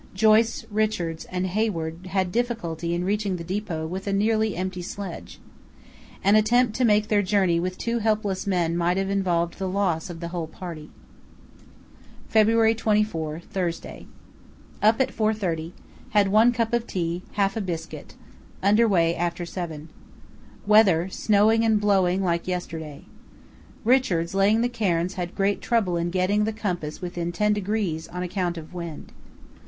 Joyce, Richards, and Hayward had difficulty in reaching the depot with a nearly empty sledge. An attempt to make their journey with two helpless men might have involved the loss of the whole party. "February 24, Thursday.—Up at 4:30; had one cup of tea, half biscuit; under way after 7. Weather, snowing and blowing like yesterday. Richards, laying the cairns had great trouble in getting the compass within 10° on account of wind.